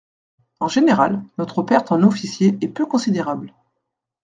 En général, notre perte en officiers est peu considérable.